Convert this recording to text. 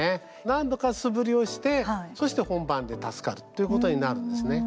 何度か素振りをしてそして、本番で助かるということになるんですね。